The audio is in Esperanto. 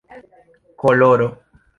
koloro